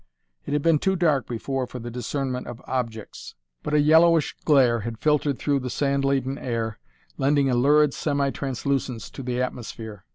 It had been too dark before for the discernment of objects, but a yellowish glare had filtered through the sand laden air, lending a lurid, semi translucence to the atmosphere.